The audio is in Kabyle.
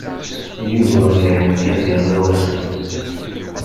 Yuba iheyya-d iɣawasen.